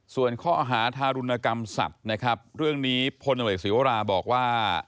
ส่วนข้อหาทารุณกรรมสัตว์นะครับเรื่องนี้พลตำรวจศิวราบอกว่า